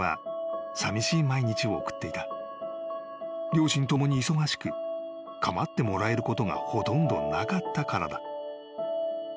［両親共に忙しく構ってもらえることがほとんどなかったからだ］